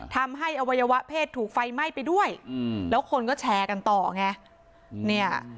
ทำให้อวัยวะเพศถูกไฟไหม้ไปด้วยอืมแล้วคนก็แชร์กันต่อไงเนี่ย